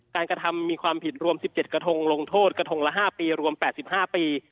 กระทำมีความผิดรวม๑๗กระทงลงโทษกระทงละ๕ปีรวม๘๕ปี